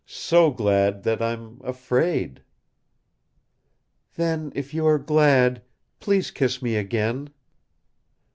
"So glad that I'm afraid." "Then if you are glad please kiss me again."